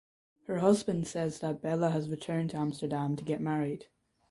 Her husband says that Bella has returned to Amsterdam to get married.